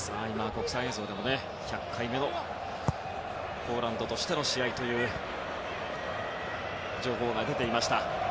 国際映像でもグリクの１００回目のポーランドの試合という情報が出ていました。